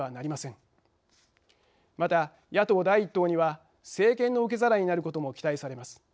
また野党第１党には政権の受け皿になることも期待されます。